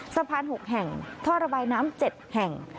สะพาน๖แห่งท่อระบายน้ำ๗แห่ง